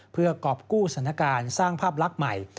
เพื่อกรอบกู้สถานการณ์สร้างภาพลักษณ์ใหม่